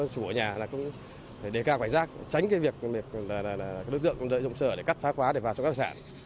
chủ ở nhà là cũng để cao cảnh giác tránh cái việc đối tượng lợi dụng sở để cắt phá khóa để vào trong các tài sản